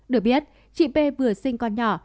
được biết chị p vừa sinh con nhỏ